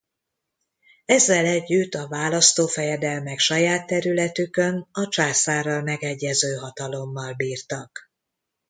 Ezzel együtt a választófejedelmek saját területükön a császárral megegyező hatalommal bírtak.